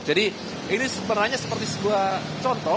jadi ini sebenarnya seperti sebuah contoh